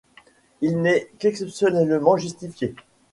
Il n’est qu’exceptionnellement justifié.